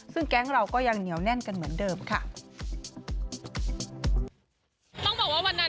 ซึ่งแก๊งเราก็ยังเหนียวแน่นกันเหมือนเดิมค่ะ